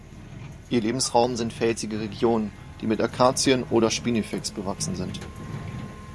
Ihr Lebensraum sind felsige Regionen, die mit Akazien oder Spinifex bewachsen sind.